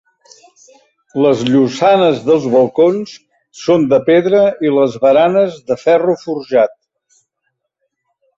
Les llosanes dels balcons són de pedra i les baranes de ferro forjat.